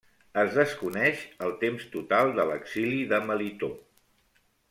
Es desconeix el temps total de l'exili de Melitó.